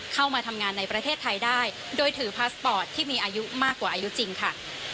เข้ามาทำงานในประเทศไทยได้โดยถือพาสปอร์ตที่มีอายุมากกว่าอายุจริงค่ะ